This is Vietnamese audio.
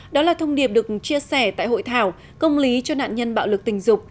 đó là thông điệp được chia sẻ tại hội thảo công lý cho nạn nhân bạo lực tình dục